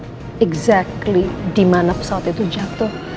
benar benar di mana pesawat itu jatuh